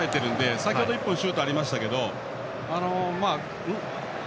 先程、１本シュートがありましたけど。